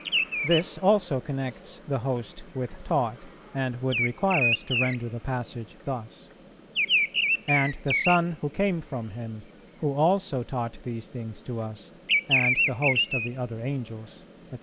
This also connects 'the host' with 'taught,' and would require us to render the passage thus: '... and the Son who came from Him, who also taught these things to us, and to the host of the other Angels,' &c.